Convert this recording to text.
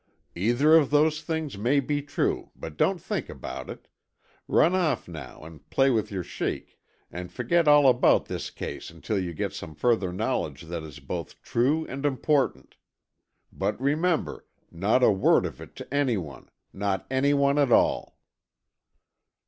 "Either of those things may be true, but don't think about it. Run off now, and play with your sheik. And forget all about this case unless you get some further knowledge that is both true and important. But, remember, not a word of it to any one—not any one at all!"